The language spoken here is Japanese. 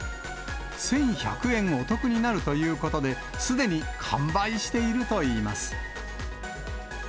１１００円お得になるということで、すでに完売しているといいます。